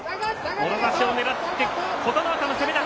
もろ差しを狙って、琴ノ若の攻めだ。